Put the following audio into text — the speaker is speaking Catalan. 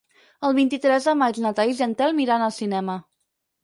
El vint-i-tres de maig na Thaís i en Telm iran al cinema.